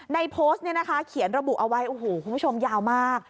ในโพสต์นี่นะคะเขียนระบุเอาไว้คุณผู้ชมยาวมาก